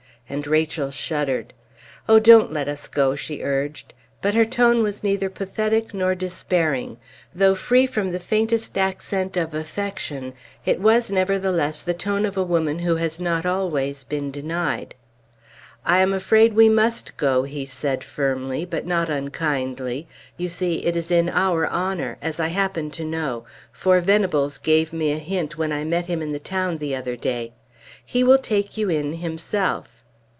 And Rachel shuddered. "Oh, don't let us go!" she urged; but her tone was neither pathetic nor despairing; though free from the faintest accent of affection, it was, nevertheless, the tone of a woman who has not always been denied. "I am afraid we must go," he said firmly, but not unkindly. "You see, it is in our honor as I happen to know; for Venables gave me a hint when I met him in the town the other day. He will take you in himself."